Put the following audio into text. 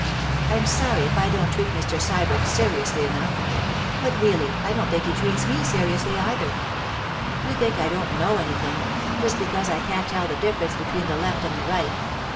I'm sorry if I don't treat Mr. Sybert seriously enough; but really I don't think he treats me seriously, either. You think I don't know anything, just because I can't tell the difference between the Left and the Right.